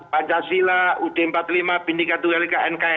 pancasila ud empat puluh lima bindika ii lk nkri